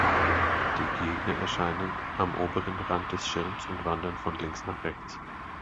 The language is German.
Die Gegner erscheinen am oberen Rand des Schirms und wandern von links nach rechts.